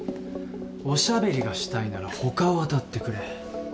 おしゃべりがしたいなら他を当たってくれ。